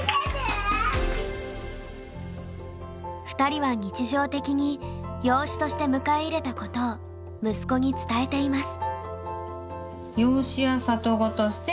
２人は日常的に養子として迎え入れたことを息子に伝えています。